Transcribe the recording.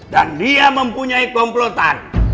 dan dia mempunyai komplotan